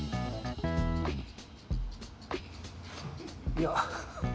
いや。